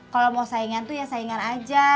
kalau mau saingan tuh ya saingan aja